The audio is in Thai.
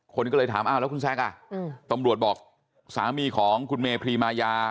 คนก็เลยถามอ้าวแล้วคุณแซคตำรวจบอกสามีของคุณเมพรีมายา